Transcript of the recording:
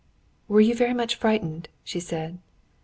"Were you very much frightened?" she said.